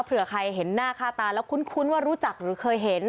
เผื่อใครเห็นหน้าค่าตาแล้วคุ้นว่ารู้จักหรือเคยเห็น